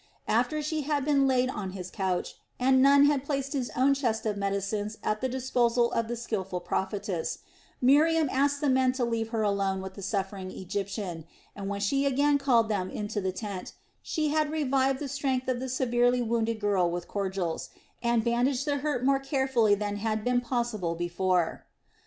After she had been laid on his couch, and Nun had placed his own chest of medicines at the disposal of the skilful prophetess, Miriam asked the men to leave her alone with the suffering Egyptian, and when she again called them into the tent she had revived the strength of the severely wounded girl with cordials, and bandaged the hurt more carefully than had been possible before.